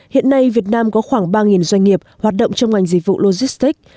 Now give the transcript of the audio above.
hiện nay việt nam có khoảng ba doanh nghiệp hoạt động trong ngành dịch vụ logistics